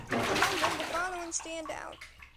Among them, the following stand out.